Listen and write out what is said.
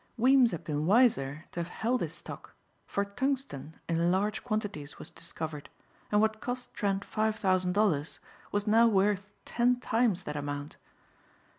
Weems had been wiser to have held his stock for tungsten in large quantities was discovered and what cost Trent five thousand dollars was now worth ten times that amount.